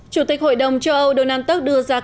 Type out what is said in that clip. chủ tịch hội đồng châu âu đông nam tắc đưa ra